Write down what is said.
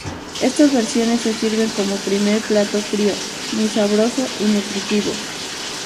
Estas versiones se sirven como primer plato frío, muy sabroso y nutritivo.